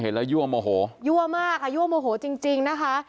แล้วยั่วโมโหยั่วมากอ่ะยั่วโมโหจริงจริงนะคะ